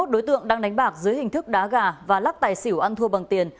hai mươi đối tượng đang đánh bạc dưới hình thức đá gà và lắc tài xỉu ăn thua bằng tiền